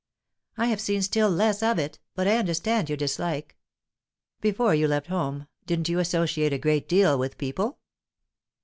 "I have seen still less of it; but I understand your dislike." "Before you left home, didn't you associate a great deal with people?"